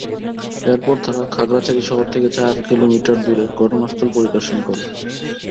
এরপর তারা খাগড়াছড়ি শহর থেকে চার কিলোমিটার দূরে ঘটনাস্থল পরিদর্শন করে।